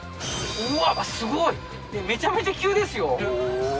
うわすごいめちゃめちゃ急ですよお